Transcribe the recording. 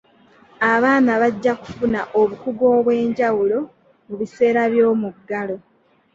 Abaana bajja kufuna obukugu obw'enjawulo mu biseera by'omuggalo.